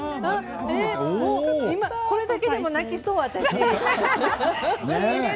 これだけでも泣きそう私。